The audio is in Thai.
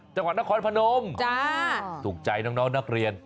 จังหวัดนครพนมจ้าสุขใจน้องน้องนักเรียน